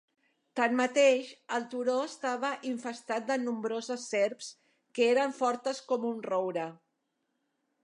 Tanmateix, el turó estava infestat de nombroses serps que eren fortes com un roure.